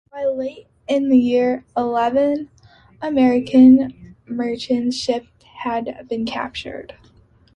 By late in the year eleven American merchant ships had been captured.